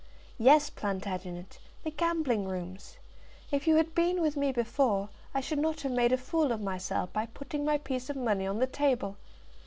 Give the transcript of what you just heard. "Yes, Plantagenet; the gambling rooms. If you had been with me before, I should not have made a fool of myself by putting my piece of money on the table.